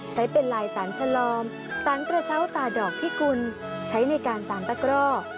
ใช้เป็นลายสารชะลอมสารกระเช้าตาดอกพิกุลใช้ในการสารตะกร่อ